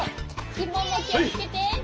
ひももきをつけて。